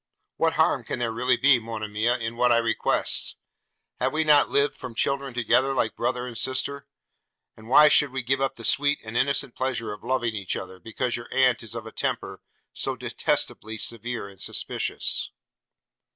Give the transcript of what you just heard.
What harm can there really be, Monimia, in what I request? Have we not lived from children together, like brother and sister? and why should we give up the sweet and innocent pleasure of loving each other, because your aunt is of a temper so detestably severe and suspicious?'